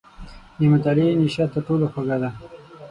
• د مطالعې نیشه تر ټولو خوږه ده.